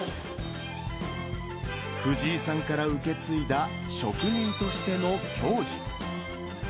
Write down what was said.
藤井さんから受け継いだ職人としての矜持。